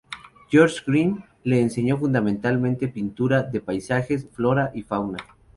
George Grimm le enseñó fundamentalmente pintura de paisajes, flora y fauna.